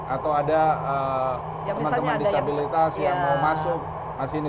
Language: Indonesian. atau ada teman teman disabilitas yang mau masuk